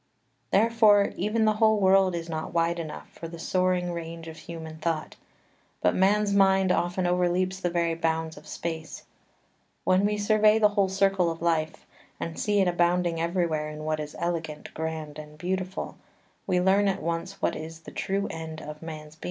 3 Therefore even the whole world is not wide enough for the soaring range of human thought, but man's mind often overleaps the very bounds of space. When we survey the whole circle of life, and see it abounding everywhere in what is elegant, grand, and beautiful, we learn at once what is the true end of man's being.